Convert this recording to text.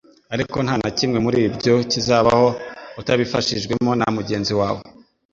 ariko nta na kimwe muri byo kizabaho utabifashijwemo na mugenzi wawe.”